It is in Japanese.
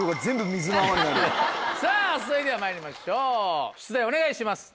さぁそれではまいりましょう出題お願いします。